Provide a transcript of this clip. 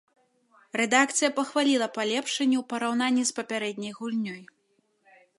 Рэдакцыя пахваліла паляпшэнні ў параўнанні з папярэдняй гульнёй.